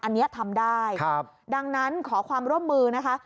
อันนี้ทำได้ดังนั้นขอความร่วมมือนะคะ